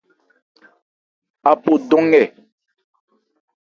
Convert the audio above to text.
Apo dɔn nkɛ.